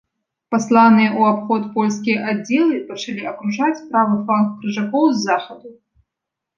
Пасланыя ў абход польскія аддзелы пачалі акружаць правы фланг крыжакоў з захаду.